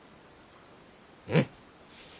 うん。